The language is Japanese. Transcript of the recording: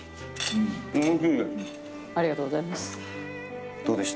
ありがとうございます。